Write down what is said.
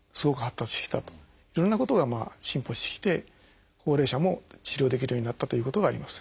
いろんなことが進歩してきて高齢者も治療できるようになったということがあります。